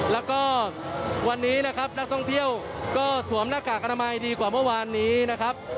แล้วก็วันนี้นะครับนักท่องเที่ยวก็สวมหน้ากากอนามัยดีกว่าเมื่อวานนี้นะครับ